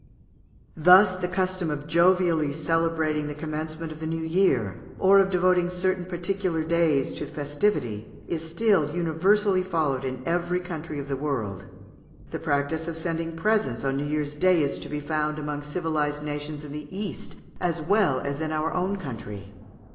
Thus, the custom of jovially celebrating the commencement of the new year, or of devoting certain particular days to festivity, is still universally followed in every country in the world. The practice of sending presents on New Year's Day is to be found among civilised nations in the East as well as in our own country.